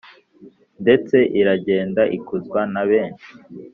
Ndetse iragenda ikuzwa na benshi